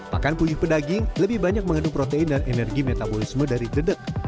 pakan puyuh pedaging lebih banyak mengandung protein dan energi metabolisme dari dedek